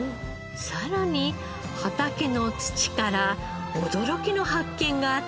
さらに畑の土から驚きの発見があったのです。